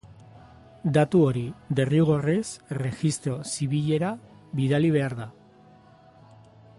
Datu hori derrigorrez erregistro zibilera bidali behar da.